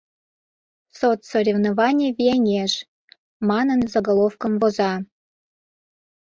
«Соцсоревнований вияҥеш» манын, заголовкым воза.